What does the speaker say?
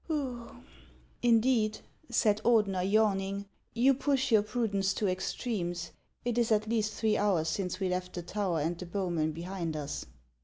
" Indeed," said Ordener, yawning, " you push your pru dence to extremes. It is at least three hours since we left the tower and the bowmen behind us."